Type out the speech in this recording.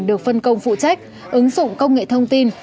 được phân công phụ trách ứng dụng công nghệ thông tin